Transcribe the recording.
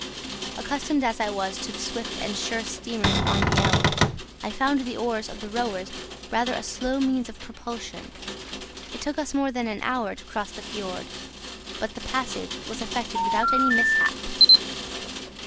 Accustomed as I was to the swift and sure steamers on the Elbe, I found the oars of the rowers rather a slow means of propulsion. It took us more than an hour to cross the fiord; but the passage was effected without any mishap.